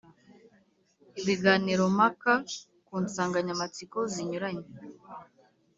ibiganiro mpaka ku nsanganyamatsiko zinyuranye